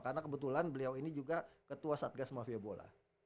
karena kebetulan beliau ini juga ketua satgas mafia bola